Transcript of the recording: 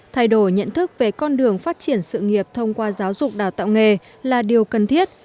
thay đổi nhận thức về con đường phát triển sự nghiệp thông qua giáo dục đào tạo nghề là điều cần thiết